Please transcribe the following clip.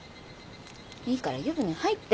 いいから湯船入って。